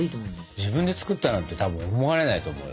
自分で作ったなんてたぶん思われないと思うよ。